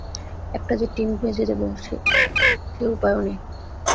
একটা যে টিম ভেজে দেব সে উপায়ও নেই।